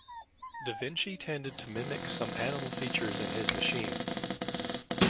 Da Vinci tended to mimic some animal features in his machines.